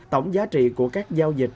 tổng giá trị của các giao dịch